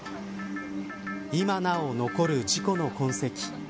今なお残る事故の痕跡。